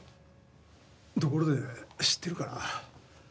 ところで知ってるかな？